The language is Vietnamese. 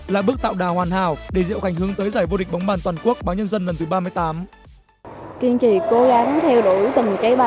là bước tạo đà hoàn hảo để diệu khánh hướng tới giải vô địch bóng bàn toàn quốc báo nhân dân lần thứ ba mươi tám